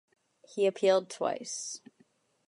He appealed twice.